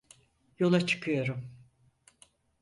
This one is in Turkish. Yola çıkıyorum.